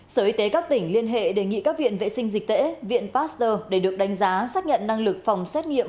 sở y tế các tỉnh liên hệ đề nghị các viện vệ sinh dịch tễ viện pasteur để được đánh giá xác nhận năng lực phòng xét nghiệm